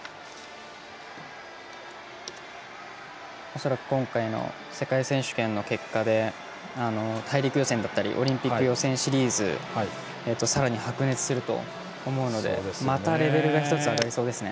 恐らく今回の世界選手権の結果で大陸予選だったりオリンピック予選シリーズさらに白熱すると思うのでまたレベルが１つ上がりそうですね。